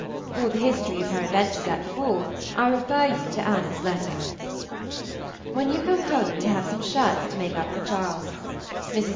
For the history of her adventures at the ball I refer you to Anna's letter. When you come home you will have some shirts to make up for Charles. Mrs.